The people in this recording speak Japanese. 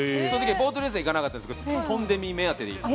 ボートレースは行かなかったですけど、トンデミ目当てで。